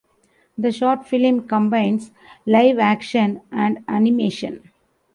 The short film combines live action and animation.